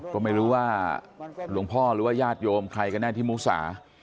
ก็ไม่รู้ว่าหลวงพ่อหรือว่าญาติโยมใครกันแน่ที่มุสา